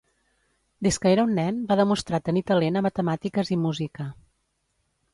Des que era un nen, va demostrar tenir talent a matemàtiques i música.